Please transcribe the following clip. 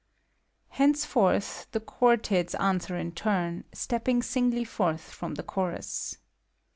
{Henceforth the Chorktids answer in turn, stepping singly forth from the Chorus.)